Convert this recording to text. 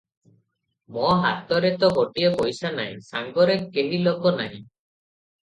ମୋ ହାତରେ ତ ଗୋଟିଏ ପଇସା ନାହିଁ, ସାଙ୍ଗରେ କେହି ଲୋକ ନାହିଁ ।